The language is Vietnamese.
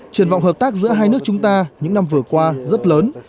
truyền vọng hợp tác giữa hai nước chúng ta những năm vừa qua rất lớn